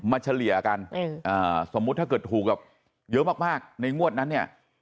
เฉลี่ยกันสมมุติถ้าเกิดถูกแบบเยอะมากในงวดนั้นเนี่ย